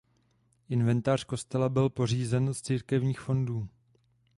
Inventář kostela byl pořízen z církevních fondů.